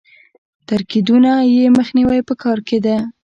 تر کېدونه يې مخنيوی په کار دی.